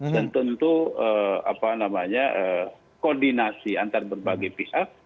dan tentu apa namanya koordinasi antara berbagai pihak